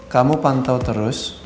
kamu pantau terus